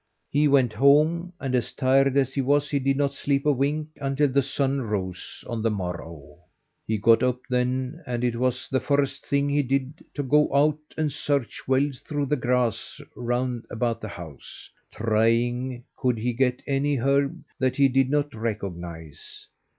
He went home, and as tired as he was he did not sleep a wink until the sun rose on the morrow. He got up then, and it was the first thing he did to go out and search well through the grass round about the house, trying could he get any herb that he did not recognise.